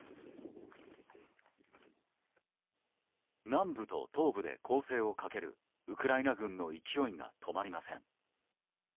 南部と東部で攻勢をかけるウクライナ軍の勢いが止まりません。